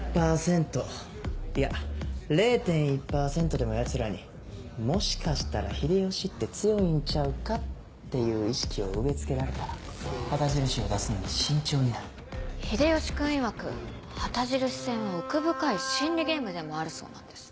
１％いや０．１％でもヤツらにもしかしたら秀吉って強いんちゃうか？っていう意識を植え付けられたら旗印を出すのに慎重になる秀吉君いわく旗印戦は奥深い心理ゲームでもあるそうなんです。